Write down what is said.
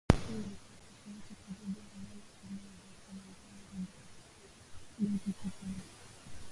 Hii ilikuwa tofauti kwa bibi na bwana Suluhu Hassan ambao walijipatia binti shupavu